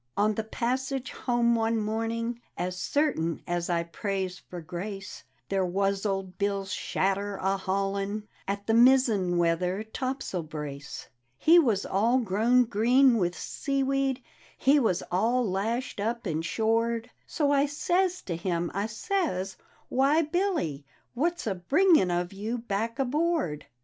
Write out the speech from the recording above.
" On the passage home one morning (As certain as I prays for grace) There was old Bill's shadder a hauling At the mizzen weather topsail brace. He was all grown green with seaweed He was all lashed up and shored; So I says to him, I says, ' Why, Billy I What's a bringin' of you back aboard?